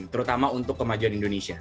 terutama untuk kemajuan indonesia